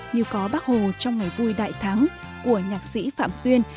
như có bác hồ trong ngày vui đại thắng của nhạc sĩ phạm tuyên